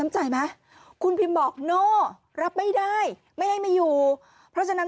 น้ำใจมาคุณพิมพ์บอกโน่รับไม่ได้ไม่ให้มาอยู่เพราะฉะนั้น